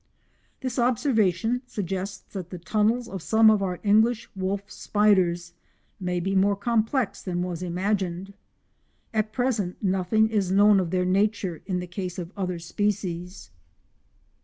This observation suggests that the tunnels of some of our English wolf spiders may be more complex than was imagined. At present nothing is known of their nature in the case of other species.